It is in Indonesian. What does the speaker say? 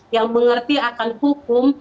yang mengerti akan hukum